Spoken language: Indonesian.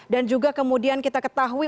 dan juga kemudian kita ketahui